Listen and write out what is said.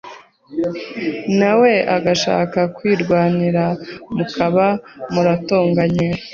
nawe agashaka kwirwanirira mukaba muratonganye.